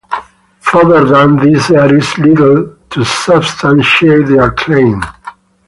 Further than this there is little to substantiate their claim.